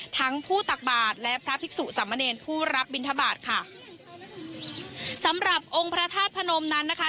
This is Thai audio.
ทั้งผู้ตักบาทและพระภิกษุสมเนรผู้รับบินทบาทค่ะสำหรับองค์พระธาตุพนมนั้นนะคะ